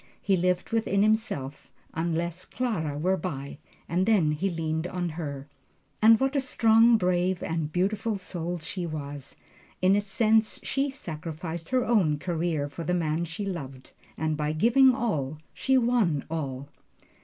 He lived within himself, unless Clara were by, and then he leaned on her. And what a strong, brave and beautiful soul she was! In a sense she sacrificed her own career for the man she loved. And by giving all, she won all.